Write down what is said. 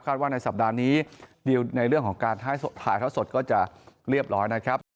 ว่าในสัปดาห์นี้ดีลในเรื่องของการถ่ายเท้าสดก็จะเรียบร้อยนะครับ